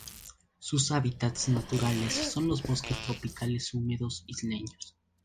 Sus hábitats naturales son los bosques tropicales húmedos isleños.